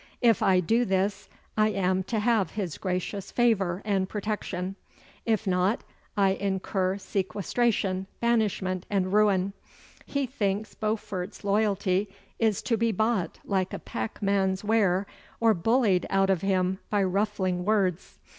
If I do this I am to have his gracious favour and protection. If not, I incur sequestration, banishment, and ruin. He thinks Beaufort's loyalty is to be bought like a packman's ware, or bullied out of him by ruffling words.